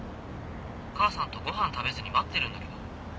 母さんとご飯食べずに待ってるんだけど。